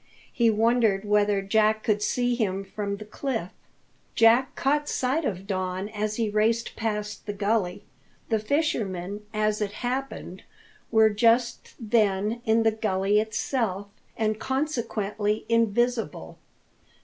He wondered whether Jack could see him from the cliff. Jack caught sight of Don as he raced past the gully. The fishermen, as it happened, were just then in the gully itself, and consequently invisible.